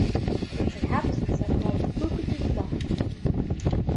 Its inhabitants are called the Bouquetotois.